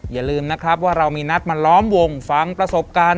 อย่าลืมนะครับว่าเรามีนัดมาล้อมวงฟังประสบการณ์